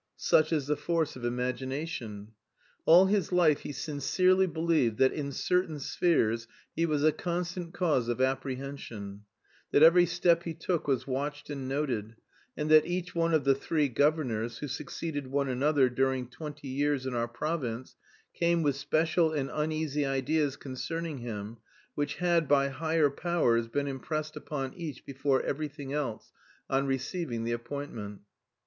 Such is the force of imagination! All his life he sincerely believed that in certain spheres he was a constant cause of apprehension, that every step he took was watched and noted, and that each one of the three governors who succeeded one another during twenty years in our province came with special and uneasy ideas concerning him, which had, by higher powers, been impressed upon each before everything else, on receiving the appointment.